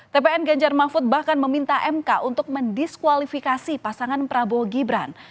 tpn ganjar mahfud bahkan meminta mk untuk mendiskualifikasi pasangan prabowo gibran